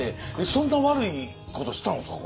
そんな悪いことしたんですか？